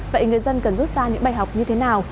vậy người dân cần rút ra những bài học như thế nào